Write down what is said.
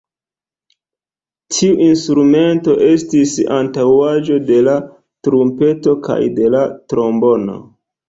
Tiu instrumento estis antaŭaĵo de la trumpeto kaj de la trombono.